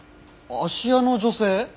芦屋の女性？